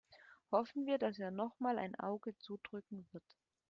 Hoffen wir, dass er nochmal ein Auge zudrücken wird.